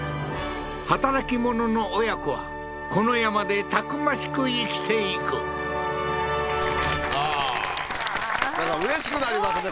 働き者の親子はこの山でたくましく生きていくうわーうわーうれしくなりますね